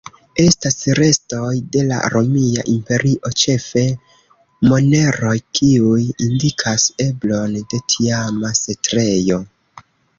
Estas restoj de la Romia Imperio, ĉefe moneroj, kiuj indikas eblon de tiama setlejo.